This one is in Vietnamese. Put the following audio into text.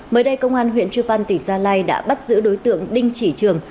mới đây công an huyện chư pan tỉnh gia lai đã bắt giữ đối tượng đinh chỉ trường